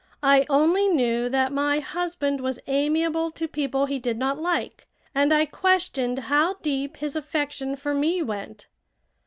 I only knew that my husband was amiable to people he did not like, and I questioned how deep his affection for me went.